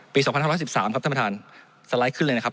ปี๒๕๑๓ครับท่านประธานสไลด์ขึ้นเลยนะครับ